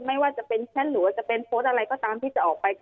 ไม่ว่าจะเป็นแช่นหรือโพสต์อะไรก็ตามที่จะออกไป